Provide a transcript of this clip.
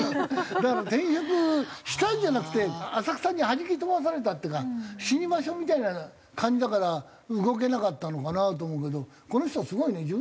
だから転職したんじゃなくて浅草にはじき飛ばされたっていうか死に場所みたいな感じだから動けなかったのかなと思うけどこの人はすごいね。